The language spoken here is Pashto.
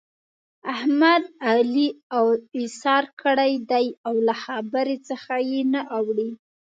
احمد؛ علي اوسار کړی دی او له خبرې څخه يې نه اوړي.